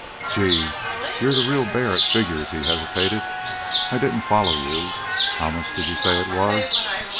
"Gee! You're the real bear at figures." He hesitated. "I didn't follow you. How much did you say it was?"